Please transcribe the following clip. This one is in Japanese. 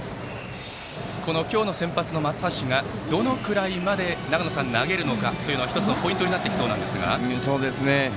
今日の先発の松橋がどのくらいまで投げるのかが１つのポイントになってきそうです。